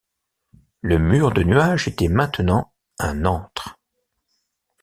Le mur de nuages était maintenant un antre.